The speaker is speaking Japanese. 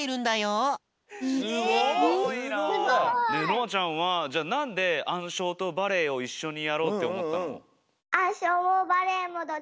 すごい！のあちゃんはじゃあなんであんしょうとバレエをいっしょにやろうっておもったの？